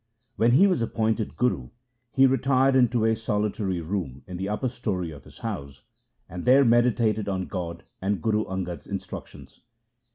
When he was appointed Guru he retired into a solitary room in the upper story of his house, and there meditated on God and Guru Angad's instructions.